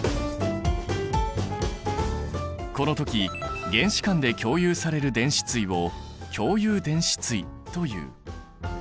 この時原子間で共有される電子対を共有電子対という。